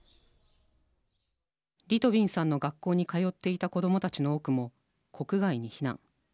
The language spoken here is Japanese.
リトビンさんの学校に通っていた子どもたちの多くも国外に避難。